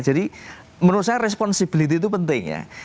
jadi menurut saya responsibiliti itu penting ya